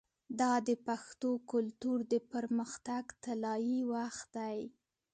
دا د پښتو کلتور د پرمختګ طلایی وخت دی.